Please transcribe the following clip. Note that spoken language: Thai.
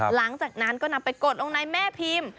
หลังจากนั้นก็นำไปกดลงในแม่พิมพ์